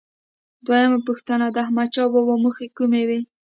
دویمه پوښتنه: د احمدشاه بابا موخې کومې وې؟